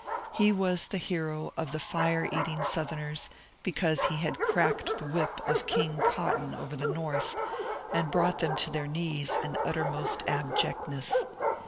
He was the hero of the *^ fire eating '' South erners because he had cracked the whip of ^^ King Cotton " over the North, and brought them to their knees in utter most abjectness.